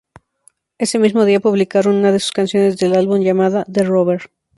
Ese mismo día publicaron una de sus canciones del álbum, llamada: "The Rover".